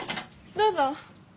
どうぞ。